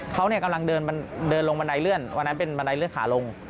เขากำลังเดินลงบันไดเลื่อนวันนั้นเป็นบันไดเลื่อนขาลง